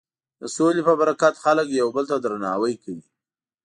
د سولې په برکت خلک یو بل ته درناوی کوي.